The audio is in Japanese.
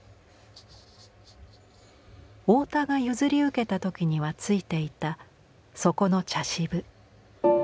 太田が譲り受けた時にはついていた底の茶渋。